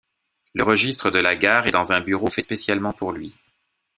Le registre de la gare est dans un bureau fait spécialement pour lui.